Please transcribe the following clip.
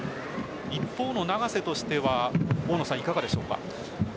一方の永瀬としてはいかがでしょうか。